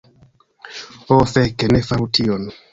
Ho fek, ne faru tion.